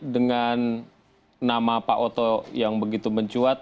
dengan nama pak oto yang begitu mencuat